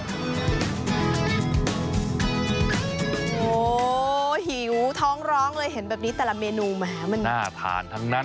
โอ้โหหิวท้องร้องเลยเห็นแบบนี้แต่ละเมนูแหมมันน่าทานทั้งนั้น